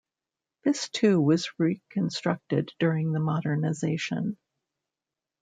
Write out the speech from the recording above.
This too was reconstructed during the modernisation.